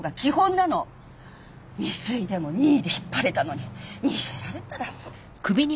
未遂でも任意で引っ張れたのに逃げられたら。